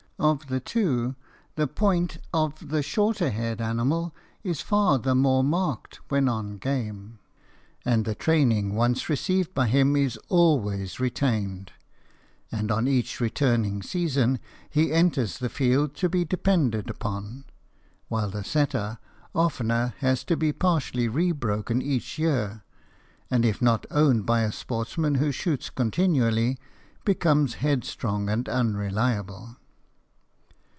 Of the two, the point of the shorter haired animal is far the more marked when on game, and the training once received by him is always retained, and on each returning season he enters the field to be depended upon, while the setter oftener has to be partially rebroken each year; and if not owned by a sportsman who shoots continually, becomes headstrong and unreliable.